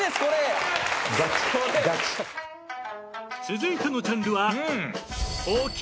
［続いてのジャンルは］